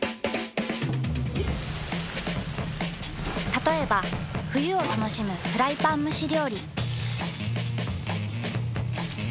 たとえば冬を楽しむフライパン蒸し料理。